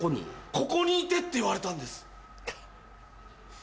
「ここにいて」って言われたんです。